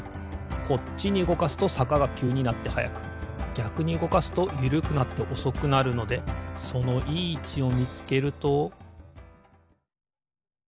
こっちにうごかすとさかがきゅうになってはやくぎゃくにうごかすとゆるくなっておそくなるのでそのいいいちをみつけると。